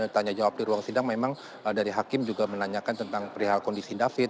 tanya jawab di ruang sidang memang dari hakim juga menanyakan tentang perihal kondisi david